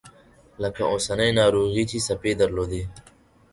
لکه اوسنۍ ناروغي چې څپې درلودې.